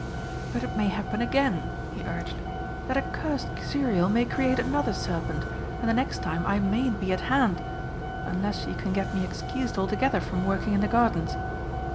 "But it may happen again," he urged. "That accursed Xuriel may create another serpent, and the next time I mayn't be at hand unless you can get me excused altogether from working in the gardens."